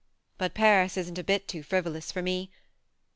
But Paris isn't a bit too frivolous for me.